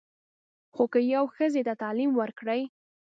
خو که یوې ښځې ته تعلیم ورکړې.